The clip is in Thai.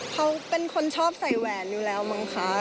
เขาเป็นคนชอบใส่แหวนอยู่แล้วมั้งคะ